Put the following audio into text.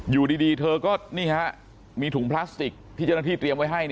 อยู่ดีเธอก็นี่ฮะมีถุงพลาสติกที่เจ้าหน้าที่เตรียมไว้ให้